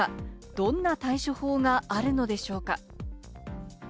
どんな対処法があるのでしょうか？